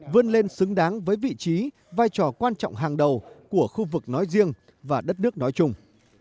vươn lên xứng đáng với vị trí vai trò quan trọng hàng đầu của khu vực nói riêng và đất nước nói chung